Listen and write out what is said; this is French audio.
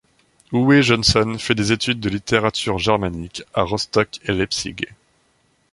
Uwe Johnson fait des études de littérature germanique à Rostock et Leipzig.